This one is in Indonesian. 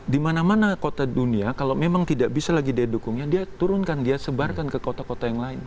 di mana mana kota dunia kalau memang tidak bisa lagi dia dukungnya dia turunkan dia sebarkan ke kota kota yang lain